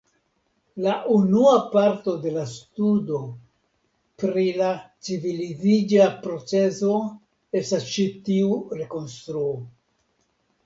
La unua parto de la studo pri la civiliziĝa procezo estas ĉi tiu rekonstruo.